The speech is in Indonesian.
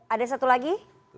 ada satu lagi